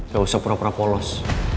gak usah pura pura polos